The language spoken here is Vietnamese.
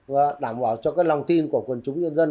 và đảm bảo cho cái lòng tin của quần chúng nhân dân